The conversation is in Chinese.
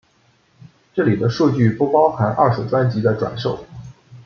这里的数据不包含二手专辑的转售。